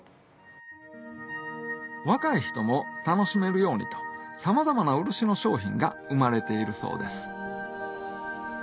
若い人も楽しめるようにとさまざまな漆の商品が生まれているそうです